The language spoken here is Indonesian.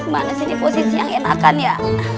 mana sini posisi yang enakan ya